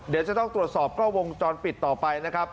เดี๋ยวจะต้องตรวจสอบกล้องวงจรปิดต่อไปนะครับ